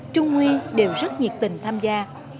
trung nguyên đều rất nhiệt tình tham gia